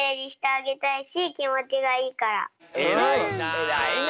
えらいな。